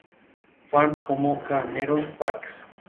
Con este fin, el Congreso hizo una comisión de organización.